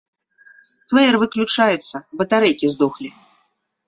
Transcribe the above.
Плэер выключаецца, батарэйкі здохлі.